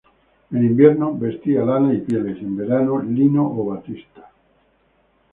En invierno vestía lana y pieles, y en verano lino o batista.